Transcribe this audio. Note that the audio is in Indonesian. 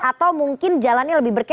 atau mungkin jalannya lebih berkip